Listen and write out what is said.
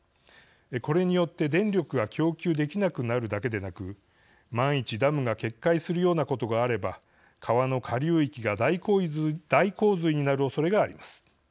これによって電力が供給できなくなるだけでなく万一、ダムが決壊するようなことがあれば川の下流域が大洪水になるおそれがあります。